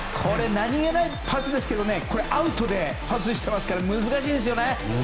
何気ないパスですけどアウトでパスにしていますから難しいんですよね！